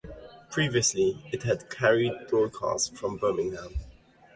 Previously it had carried broadcasts from Birmingham.